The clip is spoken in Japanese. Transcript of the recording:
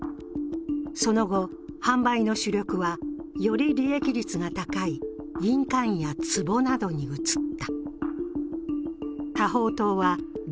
その後、販売の主力は、より利益率が高い印鑑や壺などに移った。